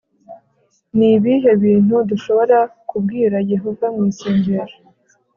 ni ibihe bintu dushobora kubwira yehova mu isengesho